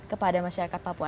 kepada masyarakat papua